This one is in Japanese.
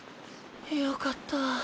よかった。